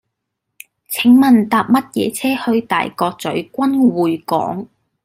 請問搭乜嘢車去大角嘴君匯港